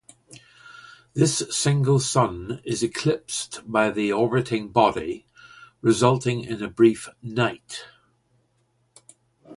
This single sun is eclipsed by the orbiting body, resulting in a brief "night".